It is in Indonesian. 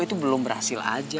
itu belum berhasil aja